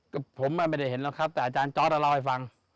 ก็ผมไม่ได้เห็นหรอกครับแต่อาจารย์จอร์ดเล่าให้ฟัง